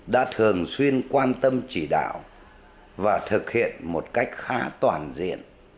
đã thường xuyên quan tâm chỉ đạo và thực hiện một cách khá toàn diện